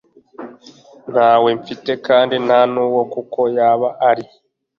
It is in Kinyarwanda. ntawe mfite kandi ntanuwo kuko yaba ari